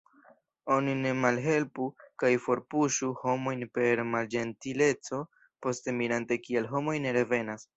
Oni ne malhelpu kaj forpuŝu homojn per malĝentileco, poste mirante kial homoj ne revenas.